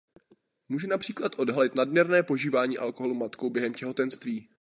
Může například odhalit nadměrné požívání alkoholu matkou během těhotenství.